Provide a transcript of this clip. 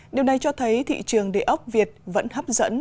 điều này cho thấy thị trường đề ốc việt vẫn hấp dẫn